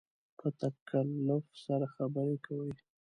په تکلف سره خبرې کوې